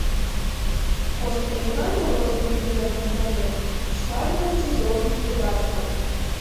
Кошт пражывання ў розных рэгіёнах планеты складваецца з розных выдаткаў.